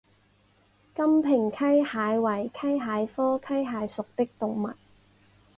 金平溪蟹为溪蟹科溪蟹属的动物。